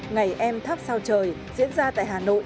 ngày em tháp sao trời diễn ra tại hà nội